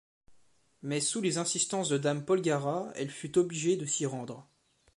Mais sous les insistances de Dame Polgara elle fut obligée de s'y rendre.